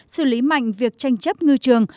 xử lý mạnh việc tranh chấp ngư trường